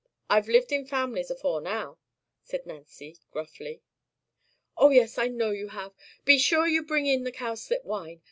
I've lived in families afore now," said Nancy, gruffly. "Oh, yes, I know you have. Be sure you bring in the cowslip wine.